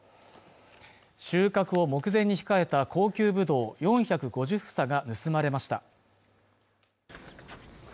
収穫を目前に控えた高級ぶどう４５０房が盗まれました